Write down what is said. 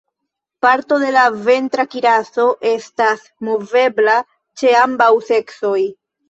Parto de la ventra kiraso estas movebla ĉe ambaŭ seksoj.